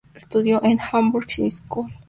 Estudió en Hamburg High School.